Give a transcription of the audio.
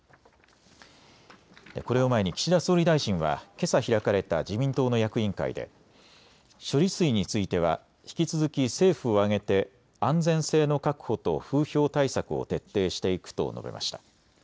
これを前に岸田総理大臣はけさ開かれた自民党の役員会で処理水については引き続き政府を挙げて安全性の確保と風評対策を徹底していくと述べました。